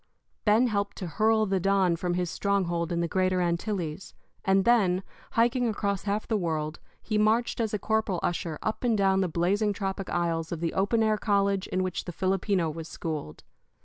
Ben helped to hurl the Don from his stronghold in the Greater Antilles; and then, hiking across half the world, he marched as a corporal usher up and down the blazing tropic aisles of the open air college in which the Filipino was schooled.